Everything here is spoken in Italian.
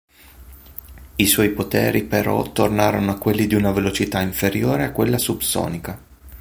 I suoi poteri però tornarono a quelli di una velocità inferiore a quella subsonica.